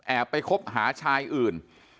ไปคบหาชายอื่น